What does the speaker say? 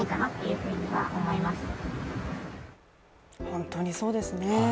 本当にそうですね。